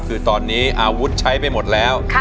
คือตอนนี้อาวุธใช้ไปหมดแล้ว